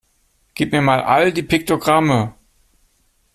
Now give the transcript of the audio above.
Gib mir mal all die Piktogramme!